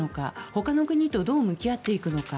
ほかの国とどう向き合っていくのか。